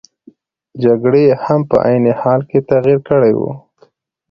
جګړې هم په عین حال کې تغیر کړی وو.